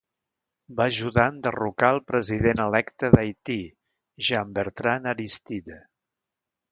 Va ajudar a enderrocar el president electe d'Haití, Jean-Bertrand Aristide.